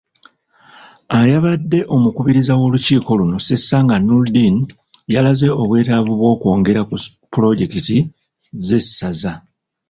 Ayabadde omukubiriza w'olukiiko luno, Ssesanga Noordin, yalaze obwetaavu bw'okwongera ku pulojekiti z'essaza.